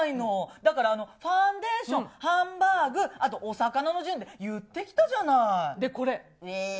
だからファンデーション、ハンバーグ、あとお魚の順で言ってきたじゃなこれ。